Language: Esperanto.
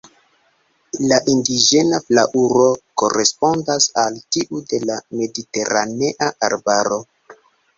La indiĝena flaŭro korespondas al tiu de la mediteranea arbaro.